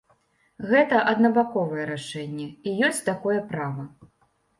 Гэта аднабаковае рашэнне, і ёсць такое права.